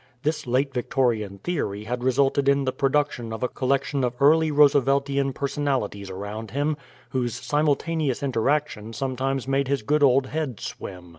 This late Victorian theory had resulted in the production of a collection of early Rooseveltian personalities around him, whose simultaneous interaction sometimes made his good old head swim.